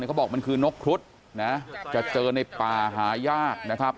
เขาบอกมันคือนกครุฑนะจะเจอในป่าหายากนะครับ